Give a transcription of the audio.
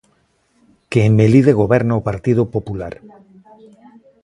Que en Melide goberna o Partido Popular.